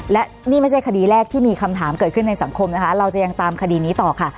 และนี่ไม่ใช่คดีแรกที่มีคำถามเกิดขึ้นในสังคมนะคะเราจะยังตามคดีนี้ต่อค่ะ